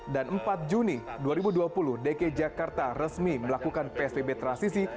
dan empat juni dua ribu dua puluh dki jakarta resmi melakukan psbb transisi